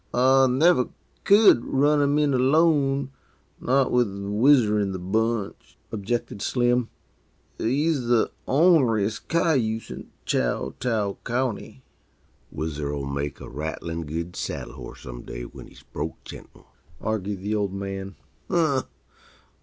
"I never c'd run 'em in alone, not with Whizzer in the bunch," objected Slim. "He's the orneriest cayuse in Chouteau County." "Whizzer'll make a rattlin' good saddle horse some day, when he's broke gentle," argued the Old Man. "Huh!